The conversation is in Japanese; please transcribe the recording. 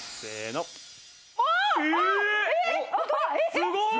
すごーい！